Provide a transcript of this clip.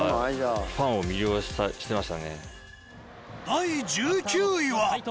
第１９位は。